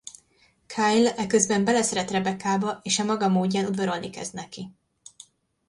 Kyle eközben beleszeret Rebeccába és a maga módján udvarolni kezd neki.